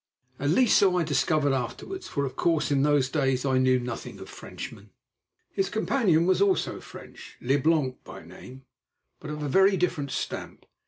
At least so I discovered afterwards, for, of course, in those days I knew nothing of Frenchmen. His companion was also French, Leblanc by name, but of a very different stamp.